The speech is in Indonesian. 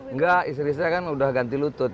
enggak istri saya kan udah ganti lutut